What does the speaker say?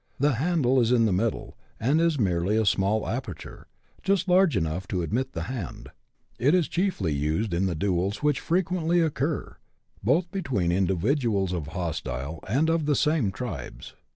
The handle is in the middle, and is merely a small aperture, just large enough to admit the hand. It is chiefly used in the duels which frequently occur, both between individuals of hostile, and of the same tribes.